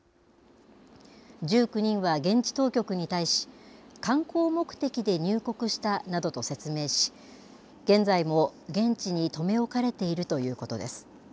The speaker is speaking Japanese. １９人は現地当局に対し、観光目的で入国したなどと説明し、現在も現地に留め置かれているということです。